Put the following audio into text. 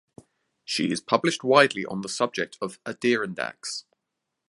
She is published widely on the subject of Adirondacks.